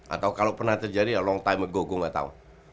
atau kalau pernah terjadi ya long time ago gue gak tau